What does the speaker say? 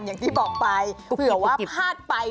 อย่างที่บอกไปเผื่อว่าพลาดไป